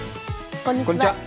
こんにちは。